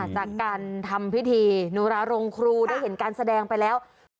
จากการทำพิธีโนราโรงครูได้เห็นการแสดงไปแล้ว